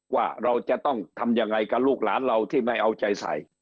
ว่าเราจะต้องทำยังไงกับลูกหลานเราที่ไม่เอาใจใส่